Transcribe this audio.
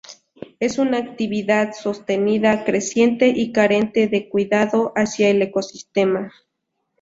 Es una actividad sostenida, creciente y carente de cuidado hacia el ecosistema.